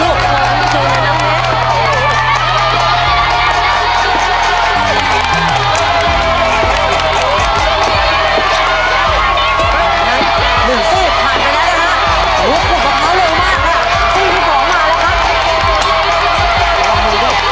หนึ่งสู้ผ่านไปแล้วนะคะ